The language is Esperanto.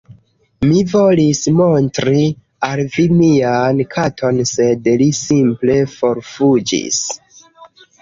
Mi volis montri al vi mian katon sed li simple forfuĝis